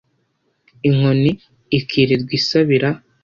Inkoni ikirirwa isabira